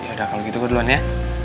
ya udah kalau gitu gue duluan ya